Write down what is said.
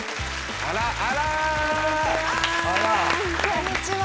こんにちは。